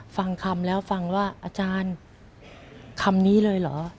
ฟังคำแล้วฟังว่าอาจารย์คำนี้เลยเหรอ